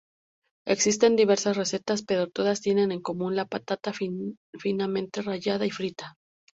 Existen diversas recetas pero todas tienen en común la patata finamente rallada y frita.